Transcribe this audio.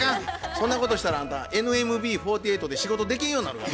そんなことしたらあんたＮＭＢ４８で仕事できんようなるがな。